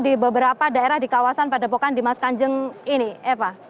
di beberapa daerah di kawasan padepokan dimas kanjeng ini eva